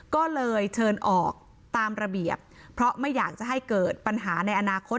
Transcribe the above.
ก็เลยเชิญออกตามระเบียบเพราะไม่อยากจะให้เกิดปัญหาในอนาคต